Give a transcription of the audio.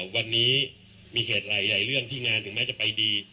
วันนี้มีเหตุหลายเรื่องที่งานถึงแม้จะไปดี